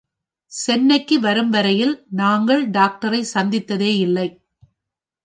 சென்னைக்கு வரும் வரையில் நாங்கள் டாக்டரைச் சந்தித்ததே யில்லை.